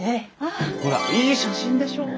ほらいい写真でしょう？